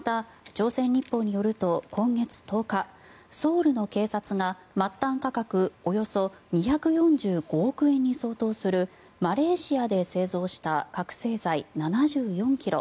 朝鮮日報によると今月１０日ソウルの警察が末端価格およそ２４５億円に相当するマレーシアで製造した覚醒剤７４ｋｇ